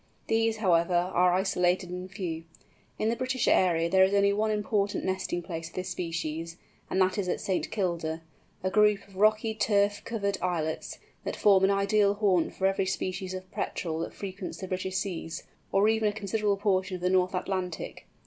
These, however, are isolated and few. In the British area there is only one important nesting place of this species, and that is at St. Kilda—a group of rocky turf covered islets, that form an ideal haunt for every species of Petrel that frequents the British seas, or even a considerable portion of the North Atlantic.